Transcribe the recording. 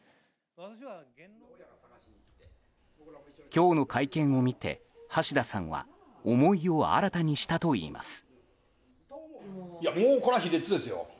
今日の会見を見て、橋田さんは思いを新たにしたといいます。